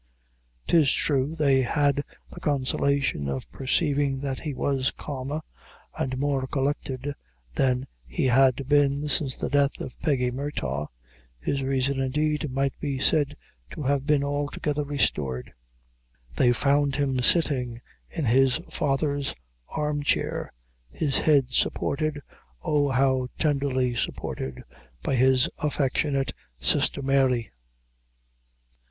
'Tis true they had the consolation of perceiving that he was calmer and more collected than he had been since the death of Peggy Murtagh. His reason, indeed, might be said to have been altogether restored. They found him sitting in his father's arm chair, his head supported oh, how tenderly supported! by his affectionate sister, Mary.